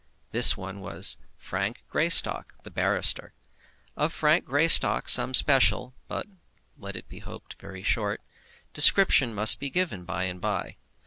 This one was Frank Greystock, the barrister. Of Frank Greystock some special but, let it be hoped, very short description must be given by and by.